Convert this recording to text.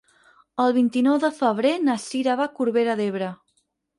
El vint-i-nou de febrer na Sira va a Corbera d'Ebre.